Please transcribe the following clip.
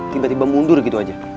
tiba tiba mundur gitu aja